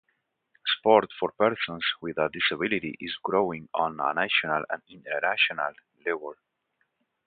Sport for persons with a disability is growing on a national and international level.